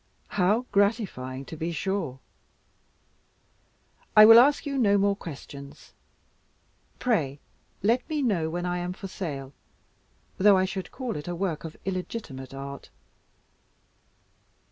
"How gratifying to be sure! I will ask you no more questions. Pray let me know when I am for sale; though I should call it a work of illegitimate art."